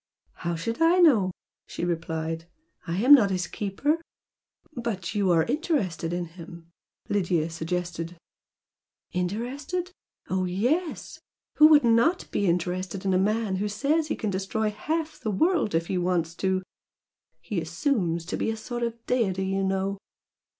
"How should I know?" she replied "I am not his keeper?" "But but you are interested in him?" Lydia suggested. "Interested? Oh, yes! Who would not be interested in a man who says he can destroy half the world if he wants to! He assumes to be a sort of deity, you know!